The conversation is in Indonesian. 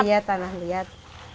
iya tanah liat